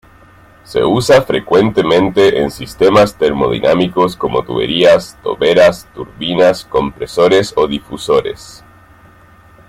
Se usa frecuentemente en sistemas termodinámicos como tuberías, toberas, turbinas, compresores o difusores.